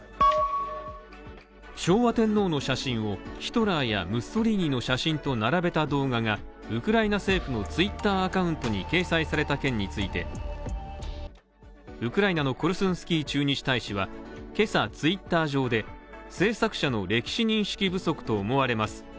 昭和天皇の写真をヒトラーやムッソリーニの写真と並べた動画が、ウクライナ政府のツイッターアカウントに掲載された件について、ウクライナのコルスンスキー駐日大使は今朝、ツイッター上で、制作者の歴史認識不足と思われます。